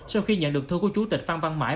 sau khi nhận được thư của chủ tịch phan văn mãi